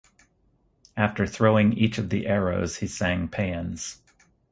After throwing each of the arrows he sang paeans.